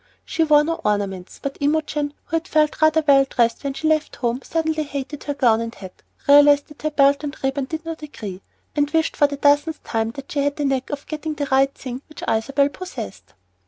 She wore no ornaments, but Imogen, who had felt rather well dressed when she left home, suddenly hated her gown and hat, realized that her belt and ribbon did not agree, and wished for the dozenth time that she had the knack at getting the right thing which Isabel possessed.